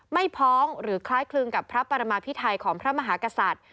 พ้องหรือคล้ายคลึงกับพระปรมาพิไทยของพระมหากษัตริย์